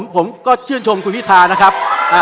ผมก็ชื่นชมคุณพิธานะครับ